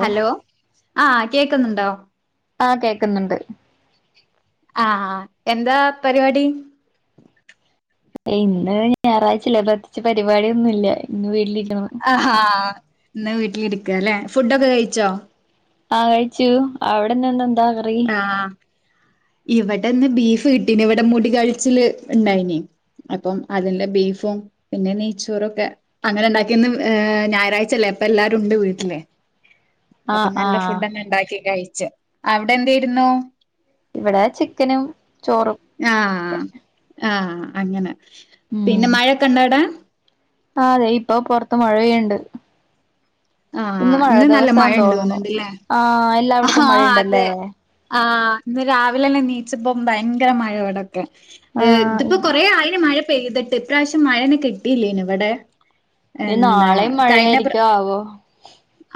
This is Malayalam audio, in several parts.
ഹലോ ആഹ് കേക്കുന്നുണ്ടോ ആഹ് കേക്കുന്നുണ്ട് ആഹ് ആഹ് എന്താ പരിപാടി ഇന്ന് ഞായറാഴ്ചില്ലേ പ്രത്തിച്ച് പരിപാടിയൊന്നുംല്ല ഇന്ന് വീട്ടിലിരിക്കുന്നു ആഹാ ഇന്ന് വീട്ടിലിരിക്കുക അല്ലെ ഫുഡൊക്കെ കഴിച്ചോ ആഹ് കഴിച്ചു അവിടെ ഇന്നെന്താ കറി ആ ഇവിടെ ഇന്ന് ബീഫ് കിട്ടീന് ഇവിടെ മുടി കളിച്ചില് ഇണ്ടായിനി അപ്പം അതിന്റെ ബീഫും പിന്നെ നെയ്ച്ചോറൊക്കെ അങ്ങനെ ഉണ്ടാക്കിയന്ന് ഞായറാഴ്ചല്ലേ ഇപ്പ എല്ലാരും ഉണ്ട് വീട്ടില് ആ അപ്പൊ ആ നല്ല ഫുഡന്നെ ഉണ്ടാക്കി കഴിച്ച് അവിടെ എന്തായിരുന്നു ഇവിടെ ചിക്കനും ചോറും ആഹ് ആഹ് അങ്ങനെ ഉം പിന്നെ മഴൊക്കെണ്ടാ അവിടെ ആ അതെ ഇപ്പൊ പുറത്ത് മഴ പെയ്യുണ്ട് ഇന്ന് ആഹ് മഴ നല്ല മഴ ദിവസം ഉണ്ട് തോന്നണു തോന്നുന്നുണ്ടല്ലേ ആ ആഹ് എല്ലായിടത്തും മഴയുണ്ടല്ലേ അതെ ആഹ് ഇന്ന് രാവിലെന്നെ നീച്ചപ്പോ ഭയങ്കര മഴ ഇടൊക്കെ ആ ഏഹ് ഇതിപ്പോ ഇ- കൊറെ ആയിനി മഴ പെയ്തിട്ട് ഇപ്രാവശ്യം മഴേനെ കിട്ടിയില്ലേന് ഇവിടെ ഇനി എന്താ നാളെയും കഴിഞ്ഞ മഴയായിരിക്കോ ആവോ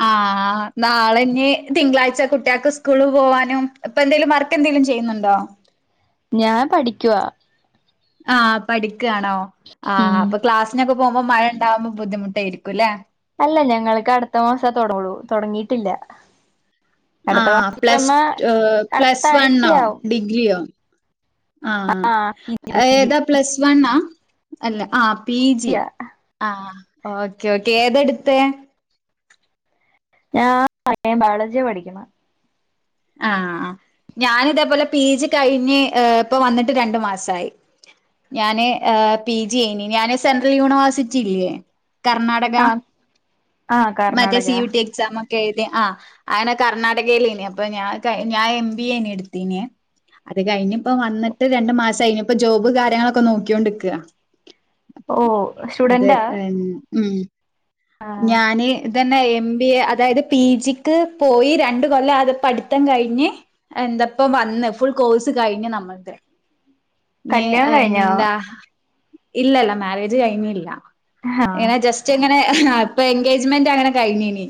ആഹ് നാളെനി തിങ്കളാഴ്ച്ച കുട്ടികൾക്ക് സ്കൂള് പോവാനും ഇപ്പൊ എന്തേലും വർക്കെന്തെലും ചെയ്യുന്നുണ്ടോ ഞാൻ പഠിക്കുവാ ആഹ് പഠിക്കിണോ ആ ഉം അപ്പൊ ക്ലാസ്സിനൊക്കെ പോകുമ്പോ മഴ ഇണ്ടാവുമ്പോ ബുദ്ധിമുട്ടായിരിക്കും അല്ലേ അല്ല ഞങ്ങൾക്ക് അടുത്ത മാസം തുടങ്ങൂ തുടങ്ങിട്ടില്ല ആ അടുത്ത പ്ലസ് അടുത്ത പ്ലസ് വണ്ണോ ആഴ്ചയാവും ഡിഗ്രിയോ ആ ഏതാ പ്ലസ് വണ്ണാ അല്ല ആ പി ജി ജിയാ ആ ഓക്കെ ഓക്കേ ഏതെടുത്തെ ഞാൻ [unintelligible] ബയോജിയാ പഠിക്കണെ ആഹ് ഞാനിതേ പോലെ പി ജി കഴിഞ്ഞ് ഇപ്പൊ വന്നിട്ട് രണ്ടു മാസായി ഞാന് പി ജി യിനി ഞാന് സെൻട്രൽ യൂണിവേഴ്സിറ്റി ഇല്ലേ കർണാടക ആ ആ മറ്റേ Karnataka C U T exam ഒക്കെ എഴുതി ആഹ് അങ്ങനെ കർണ്ണാടകയിലിനി ഇപ്പ ഞാൻ ഞാൻ എം ബി എ എടുത്ത്ന് അത് കഴിഞ്ഞപ്പോ വന്നിട്ട് രണ്ടു മാസം കഴിഞ്ഞ ഇപ്പൊ ജോബ് കാര്യങ്ങളൊക്കെ നോക്കൊണ്ടിക്ക്യ ഓ അതെ സ്റ്റുഡന്റാ ഉം ആ ഞാന് ഇതന്നെ എം ബി എ അതായത് പി ജിക്ക് പോയി രണ്ട് കൊല്ലം അത് പഠിത്തം കഴിഞ്ഞ് എന്തപ്പ വന്ന് ഫുൾ കോഴ്സ് കഴിഞ്ഞു നമ്മക്ക് കല്യാണം കഴിഞ്ഞോ എന്താ ഇല്ലല്ല മാരേജ് കൈഞ്ഞില്ല ആ ഇങ്ങനെ ജസ്റ്റ് ഇങ്ങനെ അപ്പൊ എൻഗേജ്മെന്റ് അങ്ങനെ കഴിഞ്ഞിനി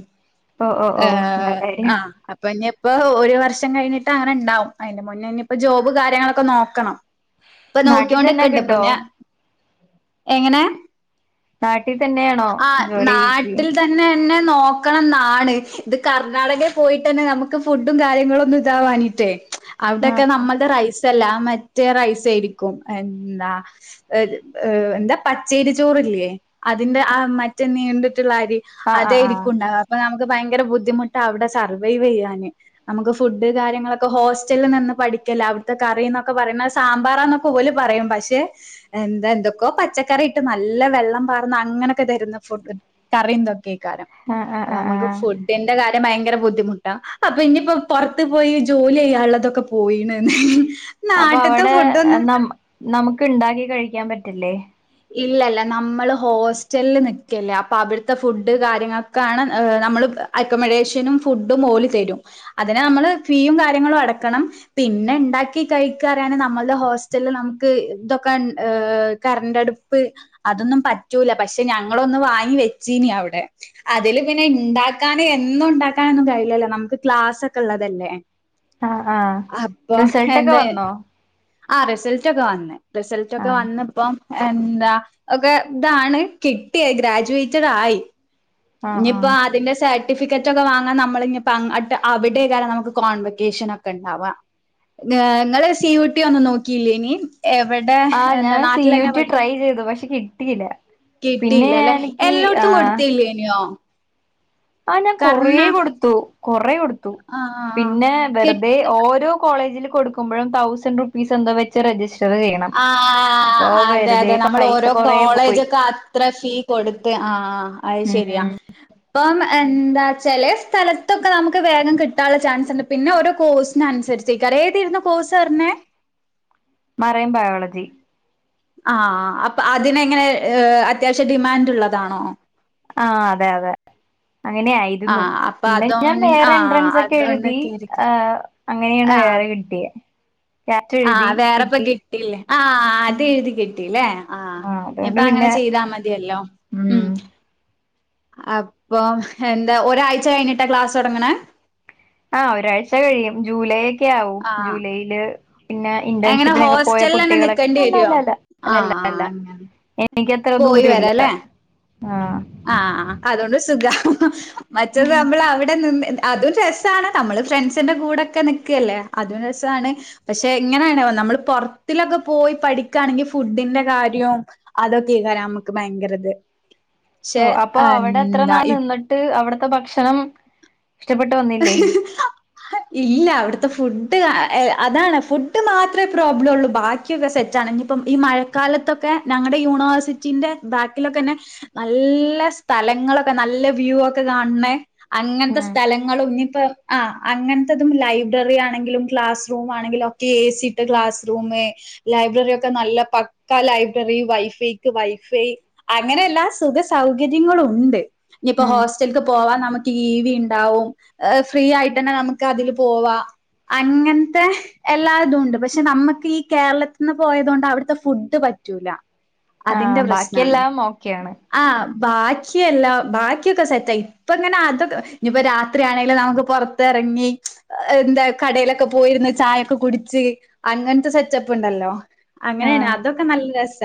ഓ ഓ ഓ നല്ല കാര്യം ആഹ് ഇപ്പ ഇനിയിപ്പോ ഒരു വർഷം കഴിഞ്ഞിട്ട് അങ്ങനെ ഉണ്ടാവും അതിന്റെ മുന്നേ ഇനിയിപ്പോ ജോബ് കാര്യങ്ങളൊക്കെ നോക്കണം ഇപ്പൊ നാട്ടിൽ തന്നെ നോക്കോണ്ടിക്കെണ്ട് കിട്ടോ പിന്ന എങ്ങനെ നാട്ടിൽ തന്നെയാണോ ജോലിക്ക് തന്നെന്നെ നോക്കണം എന്നാണ് ഇത് കർണാടകയിൽ പോയിട്ട് തന്നെ നമുക്ക് ഫുഡും കാര്യങ്ങളും ഒന്നും ഇതാവാനി ആ അവിടൊക്കെ നമ്മളുടെ റൈസല്ല മറ്റേ റൈസ് ആയിരിക്കും എന്താ ഏ എന്താ പച്ചേരി ചോറില്ലെ അതിന്റെ ആ മ മറ്റ നീണ്ടിട്ടുള്ള അരി ആ ആ ആ അതെരിക്കുംണ്ടാ അപ്പൊ നമുക്ക് ഭയങ്കര ബുദ്ധിമുട്ടാ അവിടെ സർവൈവ് ചെയ്യാന് നമുക്ക് ഫുഡ് കാര്യങ്ങളൊക്കെ ഹോസ്റ്റലിൽ നിന്ന് പഠിക്കലെ അവിടുത്തെ കറിന്നൊക്കെ പറയുന്ന സാമ്പാറാന്നെ പോലും പറയും പക്ഷെ എന്താ എന്തൊക്കോ പച്ചക്കറി ഇട്ട് നല്ല വെള്ളം പാർന്ന് അങ്ങനൊക്കെ തരുന്ന ഫുഡ് കറിയന്തൊക്കെക്കാരം ആ അപ്പൊ ആ ആ നമുക്ക് ആ ഫുഡിന്റെ കാര്യം ഭയങ്കര ബുദ്ധിമുട്ടാ അപ്പൊ ഇനിയിപ്പോ പുറത്ത് പോയി ജോലി ചെയ്യാനുള്ളതൊക്കെ പോയിണ്ന്ന് അപ്പൊ അവിടെ ന നമുക്ക് ഉണ്ടാക്കി കഴിക്കാൻ പറ്റില്ലേ ഇല്ലല്ല നമ്മള് ഹോസ്റ്റലില് നിക്കല്ലേ അപ്പൊ അവിടുത്തെ ഫുഡ് കാര്യങ്ങ കാണ് നമ്മള് അക്കോമഡേഷനും ഫുഡും ഓല് തരും അതിന് ന്നമ്മള് ഫീയുംകാര്യങ്ങളും അടക്കണം. പിന്നെഇണ്ടാക്കി കഴിക്കറിയാന് നമ്മളുടെ ഹോസ്റ്റലിൽന്നമുക്ക് ഇതൊക്കെ ഏ കറന്റ്അടുപ് പ്പ് അതൊന്നുംപറ്റൂല പക്ഷെ ഞങ്ങളൊന്ന് വാങ്ങിവെച്ചീനി അവ്ടെ അതില് പിന്നെഇണ്ടാക്കാന് എന്നും ഇണ്ടായാക്കാനൊന്നും കയ്യൂല്ലല്ലോ ന്നമ്മുക്ക് ക്ലാസ്സൊക്കെ ഇള്ളതല്ലേ. ആ ആ റിസൾട്ടൊക്കെ അപ്പൊഹെന്താ വന്നോ ആഹ് റിസൾറ്റൊക്കെ വന്ന് ആ റിസൾറ്റൊക്കെ വന്ന്പ്പം എന്താ ഒക്കെ ഇതാണ് കിട്ടിയത ഗ്രാജുവേയ്റ്റെഡ് ആയി. ആ ആ ഇഞ്ഞിപ്പോ അതിന്റെ സർ റ്റിഫിക്കെറ്റൊക്കെ വാങ്ങാൻ നമ്മളിഞ്ഞിപ്പോ അങ്ങട്ട് അവിടെം നമ്മക്ക് കോൺവെക്കേഷൻ ഒക്കെഇണ്ടാവാ. ന്നേ ഇങ്ങള് സീ യു ട്ടി ഒന്നും നോക്കിയില്ലേയ്നി എവടെ ആഹ് ഞാൻ സി യു എന്താനാട്ടിലെന്നെ ടി പഠി ട്രൈ ചെയ്തു പക്ഷെ കിട്ടിയില്ല പിന്നെ കിട്ടില്ലല്ലെ എനിക്ക് എല്ലോട്ത്തും ആഹ് കൊട്ത്തീലയ്നോ? ആഹ് ഞാകൊറെ കൊട്ത്തു കൊറ കൊട്ത്തു ആ പിന്നെവെർതെ ഓരോ കോളേജില്കൊടുക്കുമ്പോഴും തൗസണ്ട്റുപ്പീസ് എന്തോവെർ ആഹ് അതെ, വെറുതെ അതെ പൈസ ന്നമ്മൾഓരോ കൊറേ പോയി കോളേജൊക്കെത്ര ഫീ കൊട്ത്ത് ആഹ് ഐശെരിയാ. ഉം ഇപ്പംഎന്താച്ചെല സ്ഥലത്തൊക്കെ ന്നമ്മക്ക് വേഗംകിട്ടാനുള്ള ചാൻസ്ണ്ട് പിന്നെഓരോ കോഴ്സ്നന്നുസരിച്ച് ച്ചെക്കാരിം ഏതേര്ന്നു കോയ്സ് പറഞ്ഞേ മറയൻബയോളജി. ആഹ് അപ്പൊഅതിനെങ്ങനെ അത്യാവശ്യം ഡിമാൻഡ്ള്ളതാണോ? ആഹ് അതെ, അതെ ആ അങ്ങനെയായിരുന്നു അപ്പൊ അതോ പിന്നെഞാൻ ആ വേറെ എൻട്രൻസൊക്കെ അതോണ്ടൊക്കെയായിരിക്കും. എഴുതിആഹ് അങ്ങനെയാണ് ആ വേറെ കിട്ടിയേ ക്യാറ്റ് എഴുതികിട്ടി. ട്ടില്ലേ ആഹ് അത് എഴുതി കിട്ടി ലേ, ആഹ്, അതുകൊണ്ട് പിന്നെ ഇഞ്ഞിപ്പങ്ങനെചെയ്താ മതിയല്ലോ. ഉം. അപ്പോ, എന്താ, ഒരാഴ്ച കയ്ഞ്ഞിട്ടാ ക്ലാസ് തൊടങ്ങ്ണേ? ആഹ്, ഒരാഴ്ച കഴിയും. ജൂലൈ ഒക്കെ ആവും. ആഹ് ജൂലൈയില്. പിന്നെ, എങ്ങനെ ഇന്റേൺഷിപ്പിനൊക്കെ പോയ ഹോസ്റ്റലിലന്നെ കുട്ടികളൊക്കെ നിക്കേണ്ടി അല്ല, വരുവോ അല്ല, അല്ല, അല്ല ആഹ് അല്ല. ആഹ് അങ്ങനെ ഇ എനിക്കത്ര ദൂരു ല്ല, ആഹ്. ആഹ്, ആഹ് അതോണ്ട് സുഖ. മറ്റെത് നമ്മൾ അവിടെ നിന്ന്. അതും, രസാണ്. നമ്മള് ഫ്രണ്ട്സിന്റെ കൂടൊക്കെ ന്നിക്കല്ലേ അതും രസാണ്. പക്ഷെ, ഇങ്ങനെയാണ്. നമ്മള് പുറത്തിലൊക്കെ പോയി പഠിക്കയാണെങ്കിൽ ഫുഡിന്റെകാര്യോം. അതൊക്കെയ്ക്കാരം അമ്മക്ക് ഭയങ്കര ത്. ഓഹ്, അപ്പൊ, അവടെ ഇത്രനാൾ നിന്നിട്ട് അവടത്തെ ഭക്ഷണം ഇഷ്ടപ്പെട്ട് വന്നില്ലേ? ഇല്ല, അവിട്ത്തെ ഫുഡ്, ഏ അതാണ് ഫുഡ് മാത്രേ പ്രോബ്ലം ഒള്ളൂ? ബാക്കി ക്കൊക്കെ സെറ്റാണ്. ഞ്ഞിപ്പം ഈ മഴക്കാലത്തൊക്കെ ഞങ്ങടെ യൂണിവേഴ്സിറ്റിന്റെ ബാക്കിലൊക്കെലെന്നേ.... നല്ല സ്ഥലങ്ങളൊക്കെ, നല്ല വ്യൂ ഒക്കെ കാൺണേ അങ്ങൻത്തെ ഉം സ്ഥലങ്ങ ങ്ങളും ഞ്ഞിപ്പോ. ആഹ്, അങ്ങൻ ത്തതും ലൈബ്രറി ആണെങ്കിലും ക്ലാസ്റൂം, ആണെങ്കിലും. ഏസിട്ട ക്ലാസ്സ് റൂമ്മ്. ലൈബ്രറി ഒക്കെ നല്ല പക്ക ലൈബ്രറി. വൈഫൈക്ക്, വൈഫൈ. അങ്ങനെ എല്ലാ സുഖ സൗകര്യങ്ങളുണ്ട്. ഞ്ഞിപ്പോ ഉം ഹോസ്റ്റല്ക്ക് പോവാൻ നമ്മുക്ക് ഇ വി ണ്ടാവും. ഏഹ് ഫ്രീ ആയിട്ടെന്നെ നമുക്ക് അതില് പോവാ. അങ്ങൻത്തേ... എല്ലാ തുണ്ട്. പക്ഷെ നമ്മക്ക്, ഈ കേരളത്തിന്ന് പോയതോണ്ട് അവിടെത്തെ ഫുഡ്പറ്റൂല. ആഹ്, ബാക്കിയെല്ലാം ഓക്കെയാണ്. ആഹ്, ബാക്കിയെല്ല ബാക്കിയൊക്കെ സെറ്റ. ഇപ്പ ങ്ങനെ അതൊക്കെ ഇഞ്പ്പോ രാ ത്രീയാണേ ങ്കിലും നമുക്ക് പൊർതർങ്ങി, ന്താ കടയിലൊക്കെ പോയിര്ന്ന് ചായൊക്ക കുടിച്ച്. അങ്ങൻത്തെ സെറ്റപ്പ് ണ്ടല്ലോ? അങ്ങനെണ്. ആഹ് അതൊക്കെ നല്ല രസ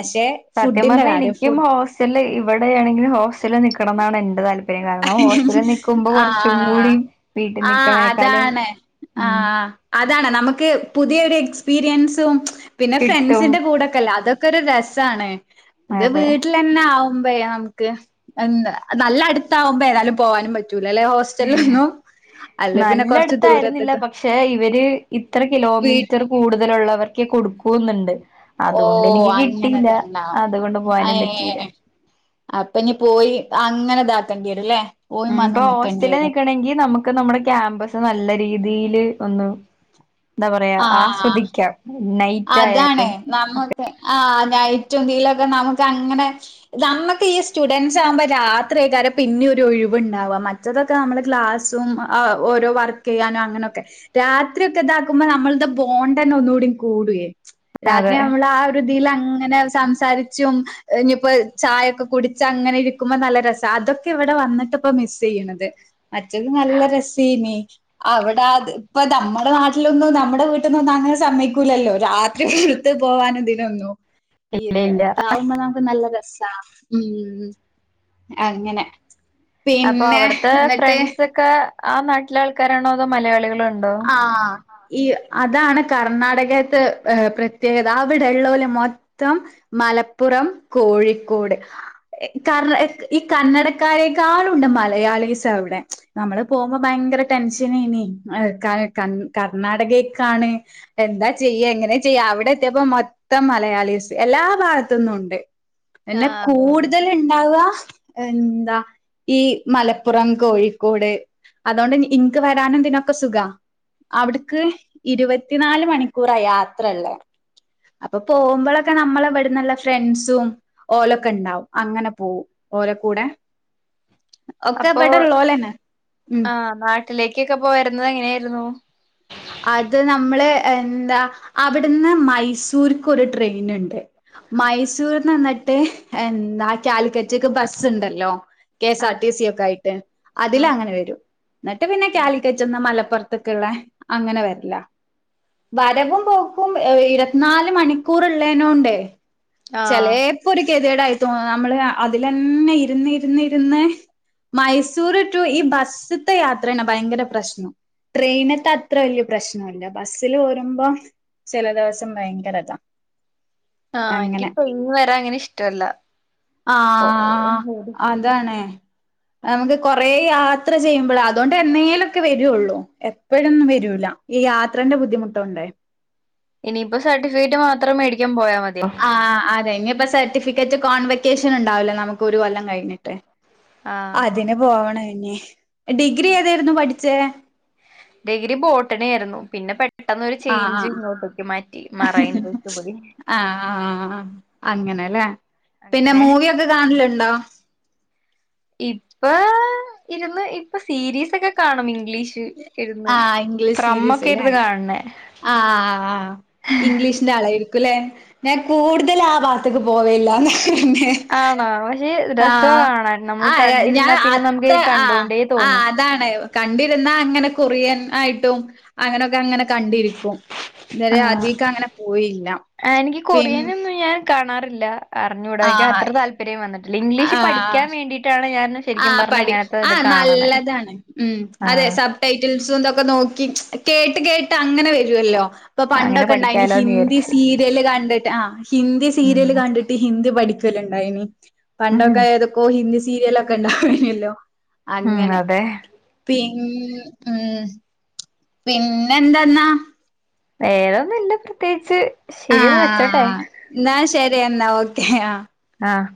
അശെ? സത്യം പറഞ, എനിക്കും ഹോസ്റ്റല് ഇവിടെയാണെ ങ്കിലും ഹോസ്റ്റല് നിക്കണം ന്നാണ്. എന്റെ താല് കാരണം. ഹോസ്റ്റലിൽ നിക്കുമ്പോ കൊർചും ആഹ് കൂടിം വീട്ടിൽ ആഹ് നിക്കണേക്കാലും. അതാണ്. ആഹ് അതാണ്. നമുക്ക് പുതിയ ഒരു എക്സ്പീരിയൻസും, പിന്നെ കിട്ടും ഫ്രണ്ട്സിന്റെ കൂടെക്കല്ലേ? അതൊ. ക്കെരസാണ്. ഇത് അതെ വീട്ടിൽ. ന്ന ആവുമ്പ നമുക്ക് നല്ലഅ ടുത്തക്മ്പോ ഏതാലും പോവാനും പറ്റൂലല്ലേ. ഹോസ് സ്റ്റൽ ഹിന്നു. നല്ലട് ത്തായിരുന്നില്ല. പക്ഷെ, ഇവര് ഇത്ര വീ കിലോമീറ്റർ. കൂടുതലുള്ളവർക്കേ കൊടുക്കുന്നുണ്ട്. അതുകൊണ്ട് ഓഹ് എനിക്ക് കിട്ടീല്ല? അങ്ങനെത്ണ്ടാവും അതുകൊണ്ട് പോവാനും പറ്റീല്ല? അപ്പനി പോയി, അങ്ങനെ താക്കേണ്ടി രും ല്ലേ? ഉം, പ്പൊ ഹോസ്റ്റലിൽ നിക്കണെങ്കി നമുക്ക്. നമ്മുടെ ക്യാമ്പസ് നല്ല രീതില്, ഒന്ന് ന്താ പറയാ ആഹ് ആസ്വദിക്കാം. നൈറ്റ് ആയ അതാണ്, നമുക്ക് ആഹ്, നൈറ്റും ദി ല്ലൊക്കെ നമുക്ക് അങ്ങനെ. നമ്മക്ക് ഈ സ്റ്റുഡന്റ്സ് ആവുമ്പോ, രാത്രിയക്കാരം പിന്നെ ഒരു ഒഴിവുണ്ടാവാ, മറ്റ. തൊക്കെ നമ്മള് ക്ലാസും, ഓരോ വർക്കെയ്യാനും അങ്ങനൊക്കെ. രാത്രി ഒക്കെ താക്കുമ്പോ നമ്മൾ തെ ബോണ്ട്ന്നെ ഒന്നും കൂടി കൂടുയെ. രാത്രി അതെ നമ്മള് ആ. ഒരുതീലങ്ങനെ സംസാരിച്ചും. ഇഞ്ഞിപ്പോ ചായൊക്കെ കുടിച്ചങ്ങനെ രിക്കുമ്പോ നല്ല രസ. അതൊക്കെവിടെ വന്നിട്ട്പ്പ മിസ്സ് ചെയ്യണത്. മറ്റത് നല്ല രസൈനീ. അവിടെ അത് പ്പ നമ്മുടെ നാട്ടിലൊന്നും നമ്മുടെ വീട്ടിന്നൊന്നും അങ്ങനെ സമ്മയ്കു. കൂലല്ലോ. രാത്രി പുറത്ത് പോവാനും ദിനൊന്നും. ഇല്ല ഇത്, ഇല്ല ഇതാവുമ്പോ നമുക്ക് നല്ല രസ. ഉം, അങ്ങനെ. അപ്പൊ പിന്നെ അവിട്ത്തെ എന്നിട്ട് ഫ്രണ്ട്സ് ക്കെ ആ നാട്ടിലെ ആൾക്കാരാണോ? അതോ, മലയാളികളുണ്ടോ? ആഹ്. ഈ അതാണ് കർണാടകത്തെ ഏ പ്രത്യേകത അവിടെള്ളോല് മൊത്തം. മലപ്പുറം കോഴിക്കോട്. ക ഈ കന്നടക്കാരേക്കാളുണ്ട് മലയാളിസ് അവിടെ. നമ്മള് പോകുമ്പോ ഭയങ്കര ടെൻഷനേനി കർണാടകേക്കാണ്. എന്താ ചെയ്യ എങ്ങനെ ചെയ്യ അവിടെ എത്തിയപ്പ മൊത്തം മലയാളിസ് എല്ലാ ഭാഗത്തന്നും ഉണ്ട്. എന്നാ ആഹ് അതെ അതെ കൂടുതൽ ണ്ട്. ഉണ്ടാവ എന്താ ഈ മലപ്പുറം കോഴിക്കോട്. അതുകൊണ്ട് ഇനിക്ക് വരാനും ഇന്തിനൊക്കെ സുഖ. അവിടുക്ക് ഇരുപത്തിനാല് മണിക്കൂറാ യാത്രള്ളെ അപ്പൊ പോകുമ്പോഴൊക്കെ നമ്മള ഇവിടന്ന്ല്ല ഫ്രണ്ട്സും. ഓലൊക്കണ്ടാവും അങ്ങനെ പോകും ഓലകൂടെ. ഒക്കെ അപ്പൊ ബടല്ലോലന്നെ ഉം. വീട്ടിലേക്കൊക്കെ പോ വരുന്നത് എങ്ങനെയായിരുന്നു. അത് നമ്മള് എന്താ അവിട്ന്ന് മൈസൂർ ക്കൊരു ട്രെയിൻ ഉണ്ട്. മൈസൂർന്ന്ന്നിട്ട് എന്താ കാലിക്കറ്റ്ക്ക് ബസ് ഉണ്ടല്ലോ. കെ എസ് ആർ ആഹ് ടി സി ഒക്കെ ആയിട്ട് അതിൽ അങ്ങനെ വരും എന്നിട്ട് പിന്നെ കാലിക്കറ്റ്. റ്റ്ന് മലപ്പുറത്തെക്കുള്ളെ അങ്ങനെ വരല. വരവും പോക്കും ഇരുപത്തിനാല് മണിക്കൂർള്ളേനോണ്ട്. ആഹ് ചെലേപ്പോ ഒരു കെതേടായി തോന്നും നമ്മള് അതിലന്നെ ഇരുന്ന് ഇരുന്ന്. മൈസൂർ ടു ഈ ബസ്സ്ത്തെ യാത്രയാണ് ഭയങ്കര പ്രശ്നം ട്രെയിനത്തെ. അത്ര വലിയ പ്രശ്നല്ല ബസ്സിൽ പോരുമ്പോ ചില ദിവസം ഭയങ്കരതാ. ആഹ് എനിക്ക് അങ്ങനെ ട്രെയിനിന് വരാൻ അങ്ങനെ ഇഷ്ടല്ല ആഹ്. അതാണ് നമക്ക് കുറെേ യാത്ര ചെയ്യുമ്പള അതുഓണ്ട് എന്നേലൊക്കെ വരുള്ളൂ എപ്പോഴൊന്നും വരി. വരൂല ഈ യാത്രന്റെ ബുദ്ധിമുട്ടുണ്ടേ. ഇനിയിപ്പോ സർട്ടിഫിക്കറ്റ് മാത്രം മേടിക്കാൻ പോയാ മതിയോ. ആ അതെ ഇനിയിപ്പോ സർട്ടിഫിക്കറ്റ് കോൺവെക്കേഷൻ ഉണ്ടാവല്ലേ നമുക്ക് ഒരു കൊല്ലം കഴിഞ്ഞിട്ട് ആഹ് അതിന് പോവണം എന്നന്നെ ഡിഗ്രി ഏതായിരുന്നു പഠിച്ചേ ഡഗിരി ബോട്ടണ ആയിരുന്നു പിന്നെ പെ പെട്ടെന്നരു ആഹ് ചേയിഞ്ച് ഇങ്ങോട്ടേക്ക് മാറ്റി മറണ്ടക്കപടി ആഹ് ആഹ് അങ്ങനെല്ലേ പിന്നെ അങ്ങനെ മൂവി ഒക്കെ കാണലുണ്ടോ ഇപ്പൊ ഇരുന്ന് ഇപ്പൊ സീരീസ്ക്കെ കാണും ഇംഗ്ലീഷ് ഇന്ന് ആഹ് ഇംഗ്ലീഷ് ഫ്രമ്മ ഒക്കെ സീരീസ്ല്ലേ ഇരുത് കാണണേ ആഹ് ഇംഗ്ലീഷ് ആളായിരിക്കുംല്ലേ ഞാൻ കൂടുതൽ ആ ഭാഗത്തക്ക് പോവയില്ലന്ന് പറഞ്ഞെ ആണോ പക്ഷേ രസം കാണാ നമ്മൾ ആഹ് ഞാൻ കണ്ടിരുന്നാൽ പിന്നെ നമുക്ക് അത്ര ഇത് ആഹ് കണ്ടോണ്ടേ ആഹ് തോന്നും അതാണ് കണ്ടിരുന്ന അങ്ങനെ കൊറിയൻ ആയിട്ടും അങ്ങനൊക്കെ അങ്ങനെ കണ്ട ഇരെ ആഹ് അധിഗ അങ്ങനെ പോയിയില്ല ആഹ് എനിക്ക് പി കൊറിയനൊന്നും ഞാൻ കാണാറില്ല അറിഞ്ഞുകൂടാെക്കെ അത്ര താല്പര്യം വന്നിട്ടില്ല ഇംഗ്ലീഷ് ആഹ് പഠിക്കാൻ വേണ്ടിയിട്ടാണ് ഞാൻ ശരിക്കും ആഹ് പറഞ്ഞ പഠ അങ്ങനത്തെ ആ ഇത് കാണണേ നല്ലതാണ് ഉ അതെ ആഹ് സബ് ടൈറ്റിൽസുംന്തൊക്കെ നോക്കി കേട്ട് കേട്ട് അങ്ങനെ വരുവല്ലോ ഇപ്പൊ അങ്ങനെ പണ്ടൊക്കെ ഇണ്ടായിനി പഠിക്കാലോന്ന് ഹിന്ദി വിചാരിച്ച് സീരിയല് കണ്ടിട്ട് ആ ഹിന്ദി സീരിയല് ഉം കണ്ടിട്ട് ഹിന്ദി പഠിക്കല ഇണ്ടായിനി ഉം പണ്ടൊക്കെ ഏതൊക്കോ ഹിന്ദി സീരിയലൊക്കെ ഉണ്ടാക്കനല്ലോ ഉം അങ്ങനെ അതെ പിന്ന ഉം പിന്നെ എന്താന്നാ വേദൊന്നും ഇല്ല പ്രത്യേകിച്ച് ശരിയന്ന വെച്ചോട്ടെ ആഹ് എന്നാ ശരി എന്നാ ഓക്കേ ആഹ് ആഹ്